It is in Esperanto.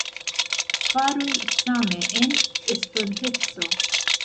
Faru same en estonteco!